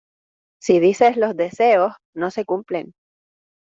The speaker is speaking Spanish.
si dices los deseos, no se cumplen.